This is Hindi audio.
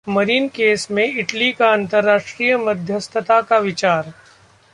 मरीन केस में इटली का अंतरराष्ट्रीय मध्यस्थता का विचार